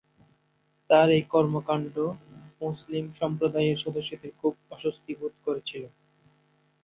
তাঁর এই কর্মকাণ্ড মুসলিম সম্প্রদায়ের সদস্যদের খুব অস্বস্তি বোধ করেছিল।